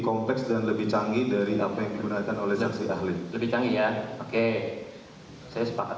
kompleks dan lebih canggih dari apa yang digunakan oleh saksi ahli lebih canggih ya oke saya sepakat